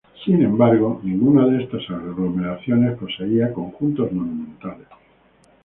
Sin embargo, ninguna de estas aglomeraciones poseía conjuntos monumentales.